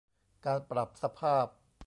การปรับสภาพ